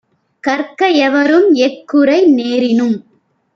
கற்க எவரும்; எக்குறை நேரினும்